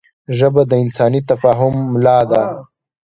ژبه د انساني تفاهم ملا ده